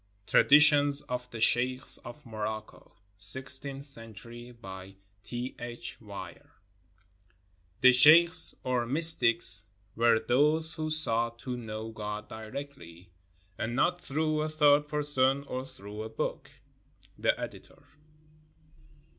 J TRADITIONS OF THE SHEIKHS OF MOROCCO [Sixteenth century] BY T. H. WEIR [The sheikhs, or mystics, were those who sought to know God directly, and not through a third person or through a book. The Editor.